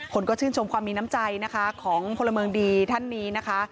คนก็ชื่นชมความมีน้ำใจนะคะของพลเมืองดีท่านนี้นะคะ